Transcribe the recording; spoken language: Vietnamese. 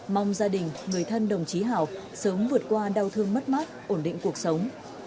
mong gia đình người thân đồng chí hảo sớm vượt qua đau thương mất mát ổn định cuộc sống